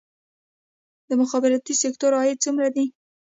د مخابراتي سکتور عاید څومره دی؟